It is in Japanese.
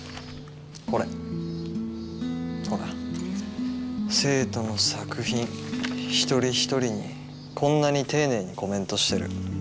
ほら生徒の作品一人一人にこんなに丁寧にコメントしてる。